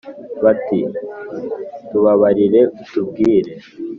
bati «Tubabarire utubwire,